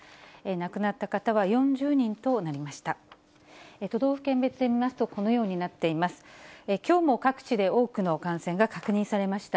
亡くなった方は４０人となりました。